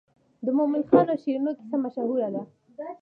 د مومن خان او شیرینو کیسه مشهوره ده.